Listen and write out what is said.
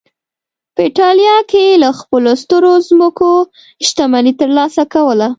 په اېټالیا کې له خپلو سترو ځمکو شتمني ترلاسه کوله